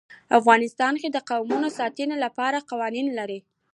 افغانستان د قومونه د ساتنې لپاره قوانین لري.